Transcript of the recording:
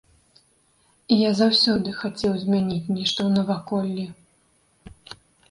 Я заўсёды хацеў змяніць нешта ў наваколлі.